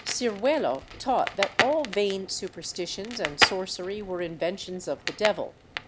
Ciruelo taught that all vain superstitions and sorcery were inventions of the devil, where ' MSS.